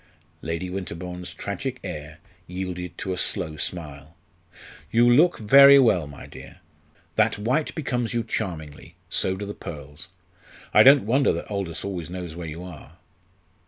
Lady Winterbourne's tragic air yielded to a slow smile. "You look very well, my dear. That white becomes you charmingly; so do the pearls. I don't wonder that Aldous always knows where you are."